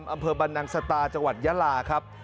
อำเภอบันนางศรัตนาจวัตรยาลาครับ